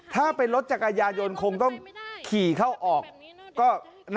ถ้าเป็นรถจักรยายนคงต้องขี่เข้าออกก็แบบนี้เนอะ